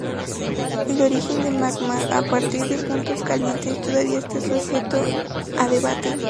El origen del magma a partir de puntos calientes todavía está sujeto a debate.